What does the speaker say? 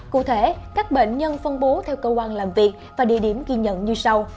cụ thể các bệnh nhân phân bố theo cơ quan làm việc và địa điểm ghi nhận như sau